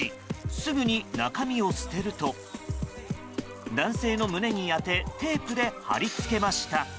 すぐに中身を捨てると男性の胸に当てテープで貼り付けました。